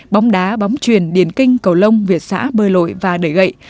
bóng đá bóng truyền điền kinh cầu lông việt xã bơi lội và đẩy gậy